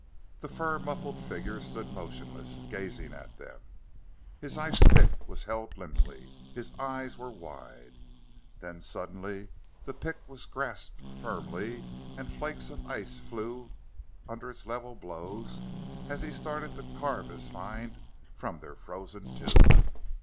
The fur muffled figure stood motionless, gazing at them. His ice pick was held limply, his eyes were wide. Then, suddenly, the pick was grasped firmly, and flakes of ice flew under its level blows as he started to carve his find from their frozen tomb.